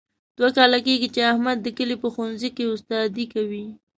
دوه کاله کېږي، چې احمد د کلي په ښوونځۍ کې استادي کوي.